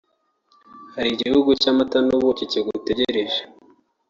hari igihugu cy'amata n'ubuki kigutegereje